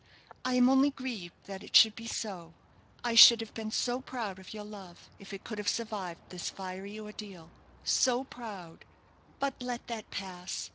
I am only grieved that it should be so. I should have been so proud of your love if it could have survived this fiery ordeal so proud! But let that pass.